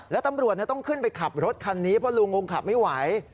และตำรวจต้องขึ้นไปขับรถคันนี้เพราะลุงคงขับไม่ไหว